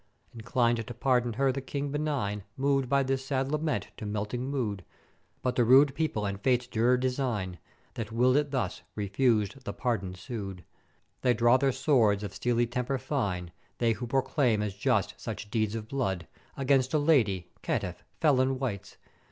"Inclin'ed to pardon her the King benign, moved by this sad lament to melting mood; but the rude People and Fate's dure design (that willed it thus) refused the pardon sued: They draw their swords of steely temper fine, They who proclaim as just such deed of blood: Against a ladye, caitiff, felon wights!